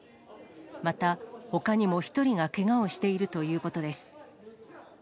また、ほかにも１人がけがをしているということです。